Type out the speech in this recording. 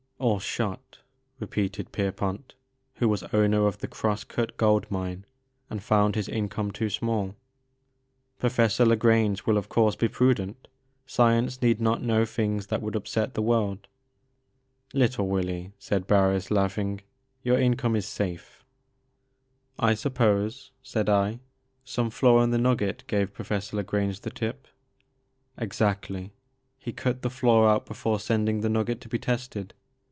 '* Or shot," repeated Pierpont, who was owner of the Cross Cut Gold Mine and found his income too small ;Professor I^a Grange will of course be prudent ;— ^science need not know things that would upset the world I "Little Willy," said Barris laughing, your income is safe." Tlie Maker of Moons. 9 •* I suppose," said I, " some flaw in the nugget gave Professor ta Grange the tip." Exactly. He cut the flaw out before sending the nugget to be tested.